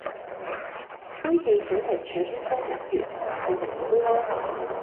杯汽水咪啅一聲飲完買過第二杯囉